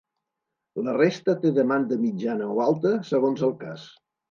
La resta té demanda mitjana o alta, segons el cas.